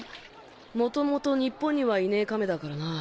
もともと日本にはいねえ亀だからなぁ。